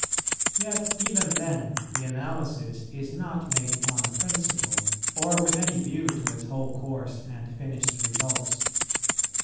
Yet even then the analysis is not made on a principle, or with any view to its whole course and finished results.